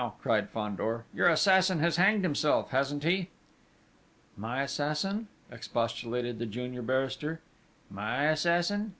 cried Fandor, "your assassin has hanged himself, hasn't he?" "My assassin!" expostulated the junior barrister: "My assassin!